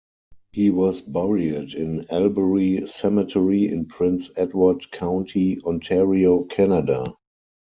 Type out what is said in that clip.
He was buried in Albury Cemetery in Prince Edward County, Ontario, Canada.